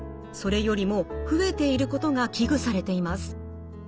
それよりも増えていることが危惧されています。